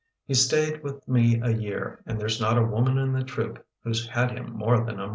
— He saved with fie st jar and there* ooc a woman in the tmope who's had inm more than a.